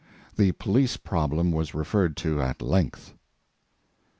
The police problem was referred to at length.